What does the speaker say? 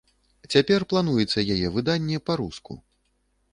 Цяпер плануецца яе выданне па-руску.